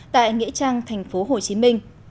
tại nghĩa trang thành phố hồ chí minh